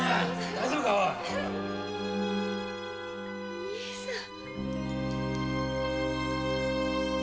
お兄さん！